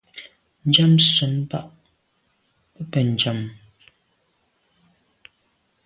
Njam sèn bag be bèn njam.